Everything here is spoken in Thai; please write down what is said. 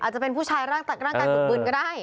อาจจะเป็นผู้ชายร่างกายฝุ่นก็ได้